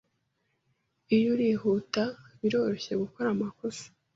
Iyo urihuta, biroroshye gukora amakosa.